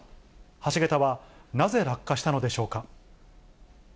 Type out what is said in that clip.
橋桁はなぜ落下したのでしょうか。